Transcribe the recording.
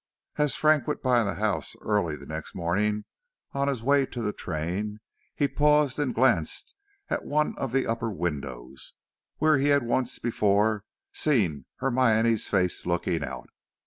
As Frank went by the house early the next morning on his way to the train, he paused and glanced at one of the upper windows, where he had once before seen Hermione's face looking out.